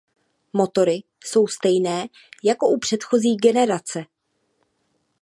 Motory jsou stejné jako u předchozí generace.